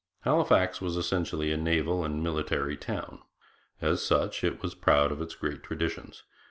Halifax was essentially a naval and military town. As such it was proud of its great traditions.